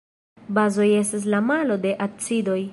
Bazoj estas la malo de acidoj.